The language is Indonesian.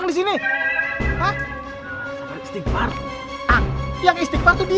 yang istighfar tuh dia